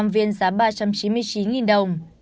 năm viên giá ba trăm chín mươi chín đồng